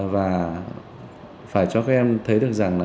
và phải cho các em